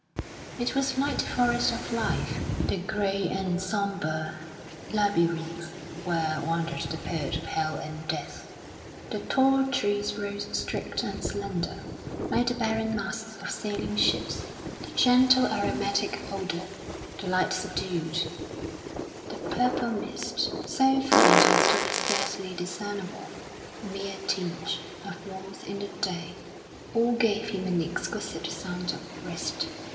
It was like the forest of life, the grey and sombre labyrinth where wandered the poet of Hell and Death. The tall trees rose straight and slender, like the barren masts of sailing ships; the gentle aromatic odour, the light subdued; the purple mist, so faint as to be scarcely discernible, a mere tinge of warmth in the day all gave him an exquisite sense of rest.